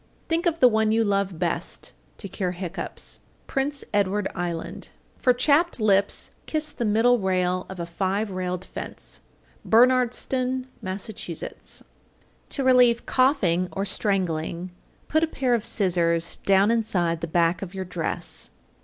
Think of the one you love best, to cure hiccoughs. Prince Edward Island. 853. For chapped lips kiss the middle rail of a five railed fence. Bernardston, Mass. 854. To relieve coughing or strangling, put a pair of scissors down inside the back of your dress.